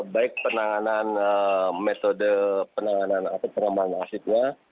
baik penanganan metode penanganan atau penanganan asibnya